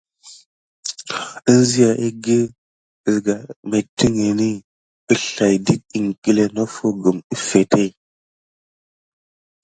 Enziya egge ged nettiŋgini əslay dət iŋkle noffo gum əffete.